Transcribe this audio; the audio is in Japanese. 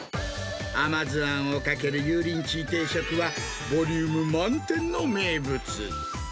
甘酢あんをかけるユーリンチー定食は、ボリューム満点の名物。